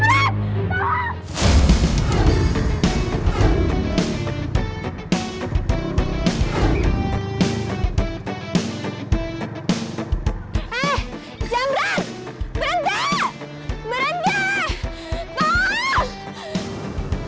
eh jangan berat berhenti berhenti tawa